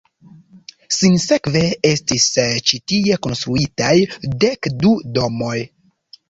Sinsekve estis ĉi tie konstruitaj dek du domoj.